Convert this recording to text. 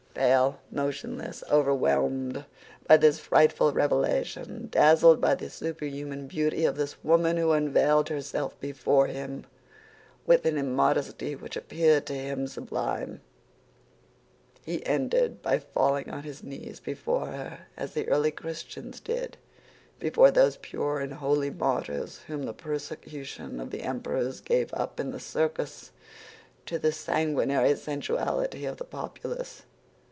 Pale, motionless, overwhelmed by this frightful revelation, dazzled by the superhuman beauty of this woman who unveiled herself before him with an immodesty which appeared to him sublime, he ended by falling on his knees before her as the early Christians did before those pure and holy martyrs whom the persecution of the emperors gave up in the circus to the sanguinary sensuality of the populace.